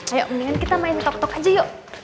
ayo mendingan kita main tok tok aja yuk